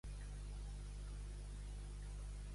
De Déu en avall.